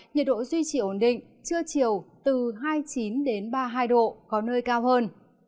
nhiệt độ duy trì ổn định trưa chiều từ hai mươi chín ba mươi hai độ có nơi cao hơn